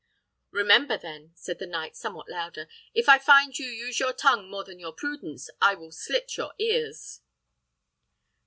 "Remember, then," said the knight, somewhat louder, "if I find you use your tongue more than your prudence, I will, slit your ears!"